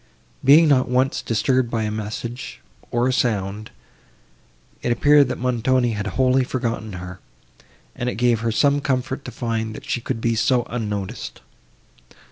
Being not once disturbed by a message, or a sound, it appeared, that Montoni had wholly forgotten her, and it gave her some comfort to find, that she could be so unnoticed.